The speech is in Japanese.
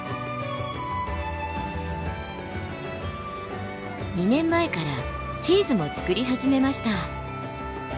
２年前からチーズも作り始めました。